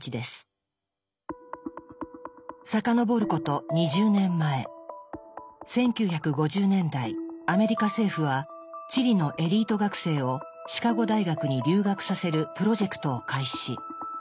遡ること２０年前１９５０年代アメリカ政府はチリのエリート学生をシカゴ大学に留学させるプロジェクトを開始。